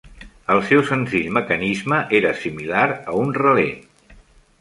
El seu senzill mecanisme era similar a un relé.